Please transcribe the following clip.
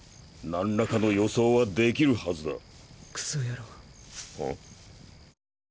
何らかの予想はできるはずだ。